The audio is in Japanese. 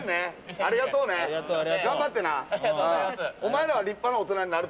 ありがとうね。頑張ってな。